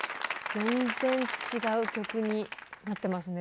全然違う曲になってますね